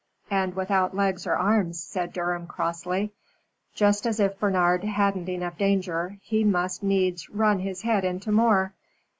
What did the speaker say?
"And without legs or arms," said Durham, crossly. "Just as if Bernard hadn't enough danger, he must needs run his head into more.